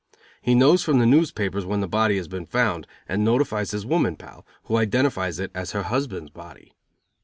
He knows from the newspapers when the body has been found, and notifies his woman pal, who identifies it as her husband's body.